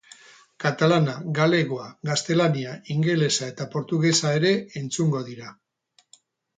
Katalana, galegoa, gaztelania, ingelesa eta portugesa ere entzungo dira.